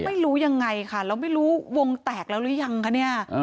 ไม่รู้ยังไงค่ะแล้วไม่รู้วงแตกแล้วหรือยังคะเนี่ย